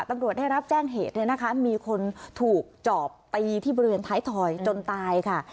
ตำรวจได้รับแจ้งเหตุเนี่ยนะคะมีคนถูกจอบตีที่บริเวณท้ายถอยจนตายค่ะ